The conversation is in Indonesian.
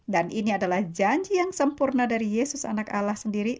dan ini adalah janji yang sempurna dari yesus anak allah sendiri